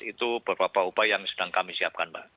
itu beberapa upaya yang sedang kami siapkan mbak